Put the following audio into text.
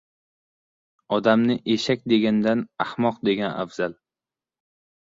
• Odamni “eshak” degandan ahmoq degan afzal.